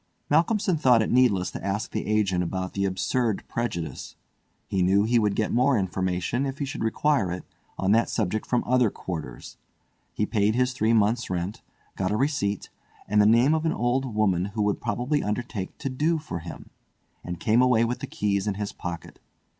Malcolmson thought it needless to ask the agent about the "absurd prejudice"; he knew he would get more information, if he should require it, on that subject from other quarters. He paid his three months' rent, got a receipt, and the name of an old woman who would probably undertake to "do" for him, and came away with the keys in his pocket.